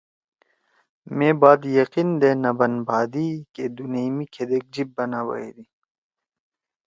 مے بات یقین دے نہ بَن بھادی کہ دُونیئی می کھیدیک جیِب بنا بیَدی۔